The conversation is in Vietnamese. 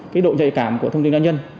cái độ nhạy cảm của thông tin đa nhân